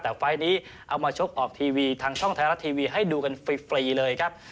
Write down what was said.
แต่ไฟล์นี้เอามาชกออกทีวีทางช่องไทยรัฐทีวีให้ดูกันฟรีเลยครับ